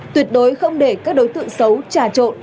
tuyệt đối không để các đối tượng xấu trà trộn